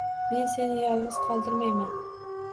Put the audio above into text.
— Men seni yolg‘iz qoldirmayman...